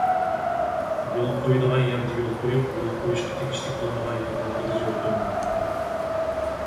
يول قويىدىغان يەردە يول قويۇپ، يول قويۇشقا تېگىشلىك بولمىغان يەردە ھەرگىز يول قويماڭ.